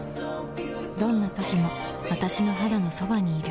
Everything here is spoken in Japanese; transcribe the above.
どんな時も私の肌のそばにいる